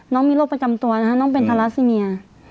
น้องมีโรคประจำตัวนะคะน้องเป็นทาราซิเมีย